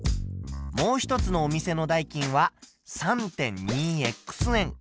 もう一つのお店の代金は３．２円。